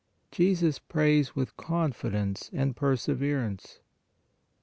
JESUS PRAYS WITH CONFIDENCE AND PERSE VERANCE.